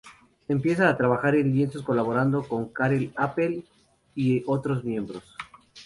Empieza a trabajar en lienzos colaborando con Karel Appel y otros miembros.